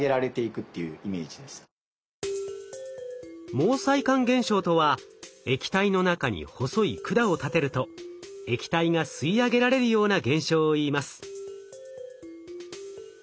毛細管現象とは液体の中に細い管を立てると液体が吸い上げられるような現象をいいます。